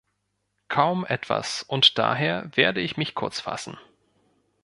Kaum etwas, und daher werde ich mich kurz fassen.